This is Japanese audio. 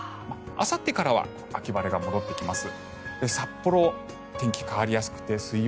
あさってからは秋晴れが戻ってきます。